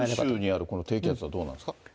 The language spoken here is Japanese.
九州にあるこの低気圧はどうなんですか？